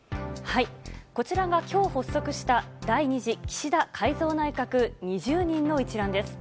こちらがきょう、発足した第２次岸田改造内閣、２０人の一覧です。